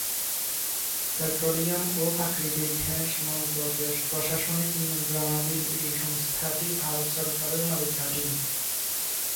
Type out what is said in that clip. Petroleum ও প্রাকৃতিক gas মন্ত্রকের প্রশাসনিক নিয়ন্ত্রণাধীন এই সংস্থাটি ভারত সরকারের মালিকানাধীন।